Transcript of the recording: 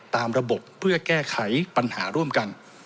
ตามระบบเพื่อแก้ไขปัญหาร่วมกัน